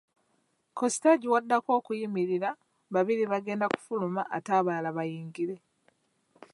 Ku siteegi w'oddako okuyimirira, babiri bagenda kufuluma ate abalala bayingire.